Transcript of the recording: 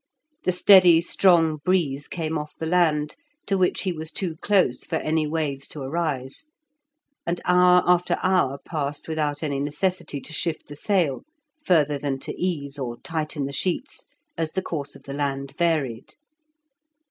The steady, strong breeze came off the land, to which he was too close for any waves to arise, and hour after hour passed without any necessity to shift the sail, further than to ease or tighten the sheets as the course of the land varied.